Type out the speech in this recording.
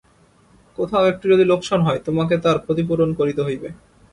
কোথাও একটু যদি লোকসান হয় তোমাকে তার ক্ষতিপূরণ করিতে হইবে।